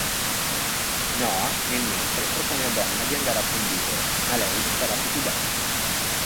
Noah nel mentre propone a Donna di andare a convivere ma lei sarà titubante.